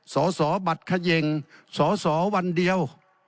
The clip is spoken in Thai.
สอสอบัตรเขย่งสสวันเดียว